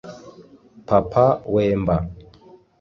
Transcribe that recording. Papa Wemba